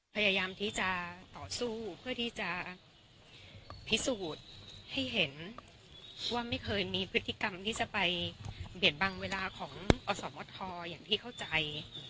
พยายามที่จะต่อสู้เพื่อที่จะพิสูจน์ให้เห็นว่าไม่เคยมีพฤติกรรมที่จะไปเบียดบังเวลาของอสมทอย่างที่เข้าใจ